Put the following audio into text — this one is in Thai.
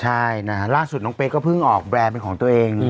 ใช่นะฮะล่าสุดน้องเป๊กก็เพิ่งออกแบรนด์เป็นของตัวเอง